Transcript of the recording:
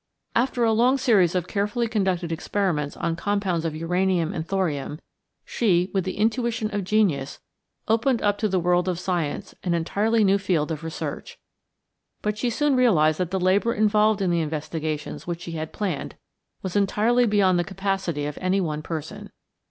After a long series of carefully conducted experiments on the compounds of uranium and thorium, she, with the intuition of genius, opened up to the world of science an entirely new field of research. But she soon realized that the labor involved in the investigations which she had planned was entirely beyond the capacity of any one person.